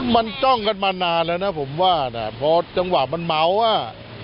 มันจ้องกันมานานแล้วนะผมว่านะพอจังหวะมันเมาอ่ะ